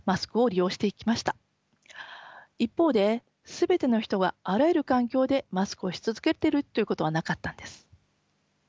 一方で全ての人があらゆる環境でマスクをし続けてるということはなかったんです。